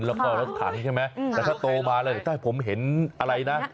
แล้วก็รถถังใช่ไหมแต่ถ้าโตมาแล้วถ้าผมเห็นอะไรนะ